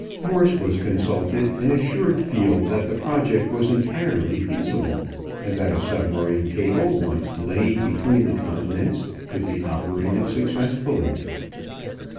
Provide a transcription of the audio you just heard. Morse was consulted, and assured Field that the project was entirely feasible, and that a submarine cable once laid between the continents could be operated successfully.